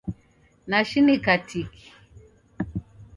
Nashinika tiki